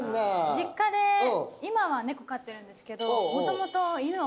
実家で今は猫飼ってるんですけどもともと犬を。